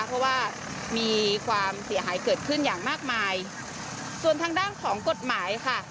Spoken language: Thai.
เพราะว่ามีความเสียหายเกิดขึ้นอย่างมากมายส่วนทางด้านของกฎหมายค่ะ